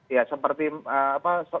ya seperti apa